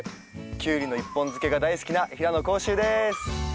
キュウリの一本漬けが大好きな平野宏周です！